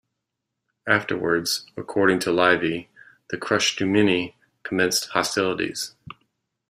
Afterwards, according to Livy, the Crustumini commenced hostilities.